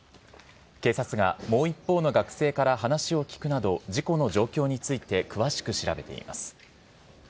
警察がもう一方の学生から話を聴くなど、事故の状況について詳しく調べています。